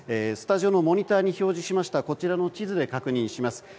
スタジオのモニターに表示した地図で確認します。